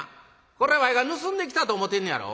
これわいが盗んできたと思てんねやろ。